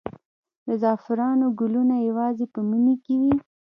د زعفرانو ګلونه یوازې په مني کې وي؟